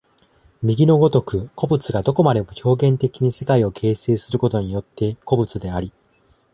右の如く個物がどこまでも表現的に世界を形成することによって個物であり、